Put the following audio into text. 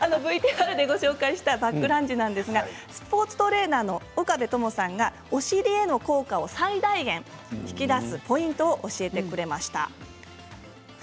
ＶＴＲでご紹介したバックランジはスポーツトレーナーの岡部友さんがお尻への効果を最大限引き出すポイントを教えてくれました。